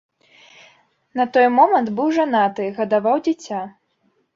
На той момант быў жанаты, гадаваў дзіця.